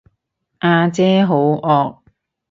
呀姐好惡